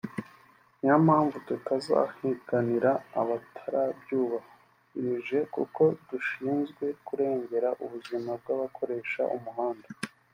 niyo mpamvu tutazihanganira abatarabyubahirije kuko dushinzwe kurengera ubuzima bw’abakoresha umuhanda